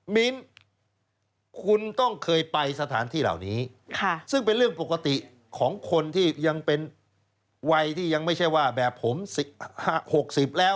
ปนึงเหมามาร้านจะไปทำไม